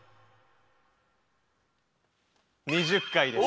２０回です。